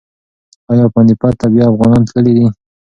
ایا پاني پت ته بیا افغانان تللي دي؟